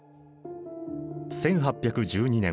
１８１２年。